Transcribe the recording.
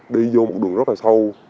đi vô một đường rất là sâu